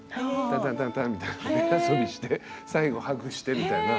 タンタンタンタンみたいな手遊びして最後ハグしてみたいな。